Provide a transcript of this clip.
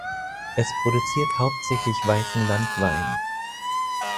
Es produziert hauptsächlich weißen Landwein.